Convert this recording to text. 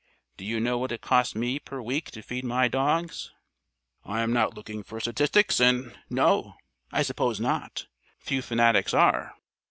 Do you know what it costs me per week to feed my dogs?" "I'm not looking for statistics in " "No, I suppose not. Few fanatics are.